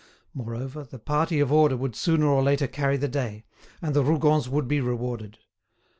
Moreover, the party of order would sooner or later carry the day, and the Rougons would be rewarded.